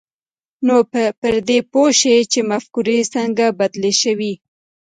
نو به پر دې پوه شئ چې مفکورې څنګه بدلې شوې